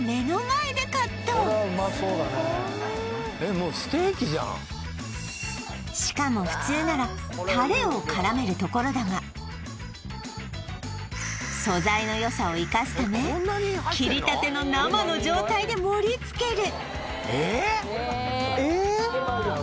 もうしかも普通ならタレを絡めるところだが素材のよさを生かすため切り立ての生の状態で盛り付けるええっ？え？